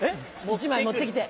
１枚持ってきて。